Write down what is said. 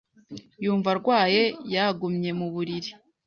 Yumva arwaye, yagumye mu buriri.